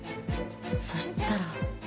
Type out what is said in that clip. そしたら。